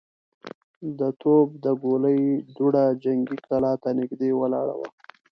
د توپ د ګولۍ دوړه جنګي کلا ته نږدې ولاړه وه.